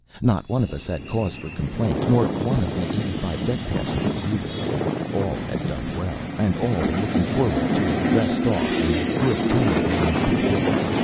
Not one of us had cause for complaint, nor one of the eighty five deck passengers either. All had done well, and all were looking forward to a rest off and a good time in Papeete.